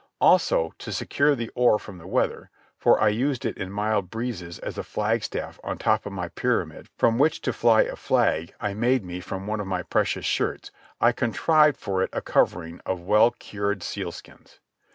Also, to secure the oar from the weather (for I used it in mild breezes as a flagstaff on top of my pyramid from which to fly a flag I made me from one of my precious shirts) I contrived for it a covering of well cured sealskins.